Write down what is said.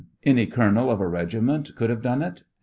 Any colonel of a regiment could have done it